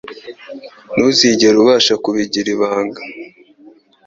Ntuzigera ubasha kubigira ibanga.